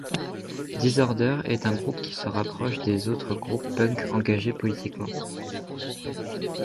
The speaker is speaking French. Disorder est un groupe qui se rapproche des autres groupes punks engagés politiquement.